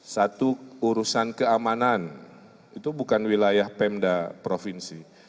satu urusan keamanan itu bukan wilayah pemda provinsi